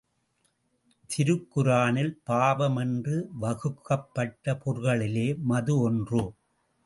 திருக்குரானிலே பாவம் என்று வகுக்கப்பட்ட பொருள்களிலே மது ஒன்று.